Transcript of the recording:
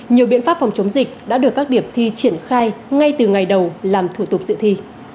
nhiều biện pháp phòng chống dịch đã được các điểm thi triển khai ngay từ ngày đầu làm thủ tục dự thi